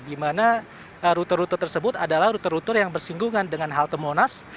di mana rute rute tersebut adalah rute rute yang bersinggungan dengan halte monas